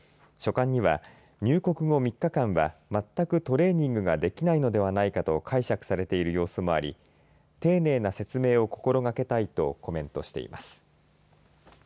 書簡には入国後３日間は全くトレーニングできなくなるのではないかとして丁寧な説明を心がけたいとコメントしています。